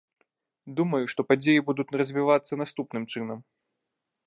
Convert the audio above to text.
Думаю, што падзеі будуць развівацца наступным чынам.